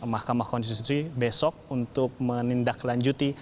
mahkamah konstitusi besok untuk menindaklanjuti